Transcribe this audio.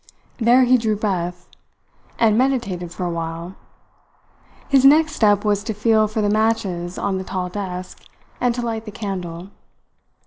There he drew breath, and meditated for a while. His next step was to feel for the matches on the tall desk, and to light the candle.